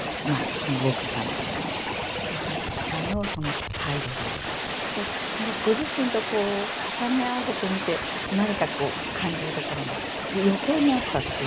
その牧師さんでしょうかの方の態度というかとやはりご自身とこう重ね合わせてみて何かこう感じるところが余計にあったっていう？